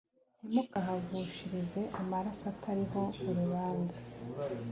ntimukahavushirize amaraso atariho urubanza